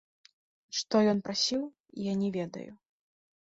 Што ён прасіў, я не ведаю.